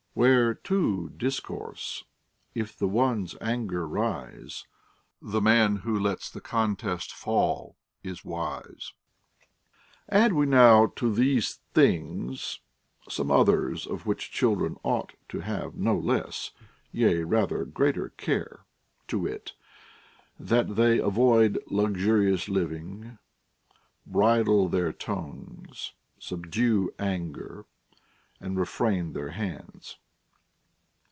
2f3 Where two discourse, if the one's anger rise, Tlie man wlio lets the contest fall is wise. * Add we now to these things some others of which chil dren ought to have no less, yea, rather greater care ; to wit, that they avoid luxurious living, bridle their tongues, sub due anger, and refrain their hands.